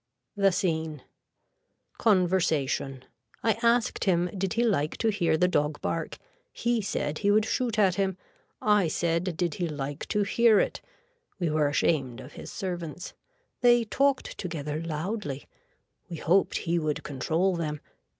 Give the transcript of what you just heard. The Scene Conversation. I asked him did he like to hear the dog bark. He said he would shoot at him. I said did he like to hear it. We were ashamed of his servants. They talked together loudly. We hoped he would control them.